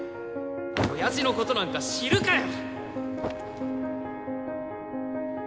親父のことなんか知るかよ！